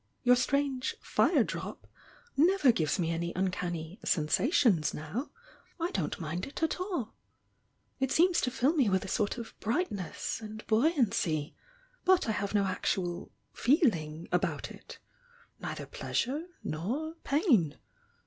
Your strange 'fire drop' never gives me any uncanny 'sensations' now — I don't mind it at all. It seems to fill me with a sort of brightness and buoyancy. But I have no actual 'feeling' about it — ^neither pleasure nor pain.